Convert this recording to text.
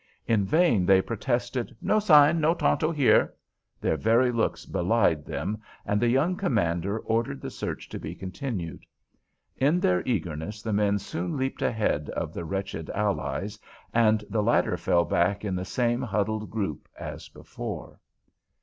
In vain they protested, "No sign, no Tonto here," their very looks belied them, and the young commander ordered the search to be continued. In their eagerness the men soon leaped ahead of the wretched allies, and the latter fell back in the same huddled group as before.